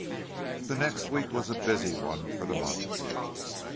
The next week was a busy one for the Montagues.